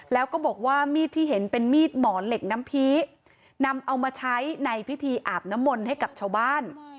แล้วก็บอกว่ามีดที่เห็นเป็นมีดหมอนเหล็กน้ำพีนำเอามาใช้ในพิธีอาบน้ำมนต์ให้กับชาวบ้าน